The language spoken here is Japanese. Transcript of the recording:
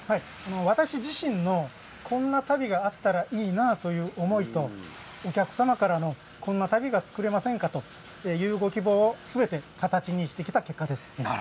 私自身こんな足袋があったらいいなという思いとお客様からのこんな足袋が作れませんか、という希望をすべて形にした結果です。